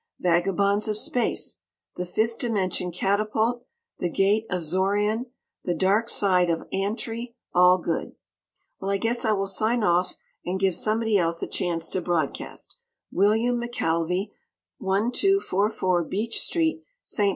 "Vagabonds of Space," "The Fifth Dimension Catapult," "The Gate of Xoran," "The Dark Side of Antri" all good. Well, I guess I will sign off and give somebody else a chance to broadcast. Wm. McCalvy, 1244 Beech St., St.